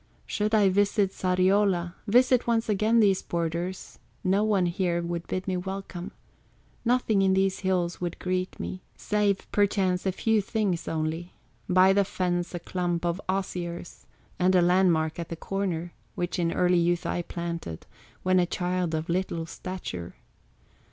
"Should I visit Sariola, Visit once again these borders, No one here would bid me welcome. Nothing in these hills would greet me, Save perchance a few things only, By the fence a clump of osiers, And a land mark at the corner, Which in early youth I planted, When a child of little stature.